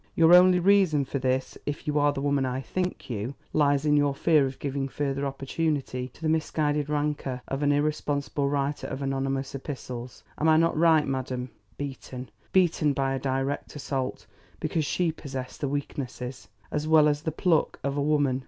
Your only reason for this if you are the woman I think you lies in your fear of giving further opportunity to the misguided rancour of an irresponsible writer of anonymous epistles. Am I not right, madam?" Beaten, beaten by a direct assault, because she possessed the weaknesses, as well as the pluck, of a woman.